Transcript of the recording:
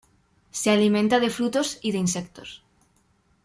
Se alimenta de frutos y de insectos.